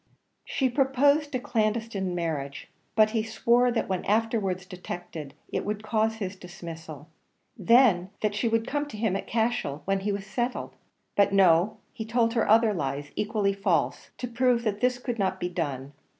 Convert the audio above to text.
She proposed a clandestine marriage, but he swore that when afterwards detected, it would cause his dismissal; then that she would come to him at Cashel, when he was settled; but no, he told her other lies equally false, to prove that this could not be done.